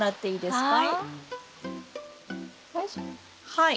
はい。